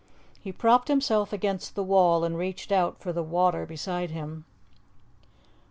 He propped himself against the wall and reached out for the water beside him.